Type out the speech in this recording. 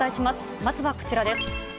まずはこちらです。